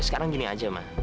ya sekarang gini aja ma